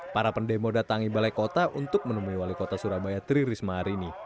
para pendemo datangi balai kota untuk menemui wali kota surabaya tri risma hari ini